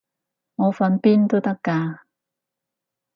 我瞓邊都得㗎